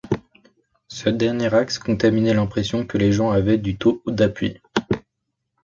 Ce dernier axe contaminait l'impression que les gens avaient du taux d'appui.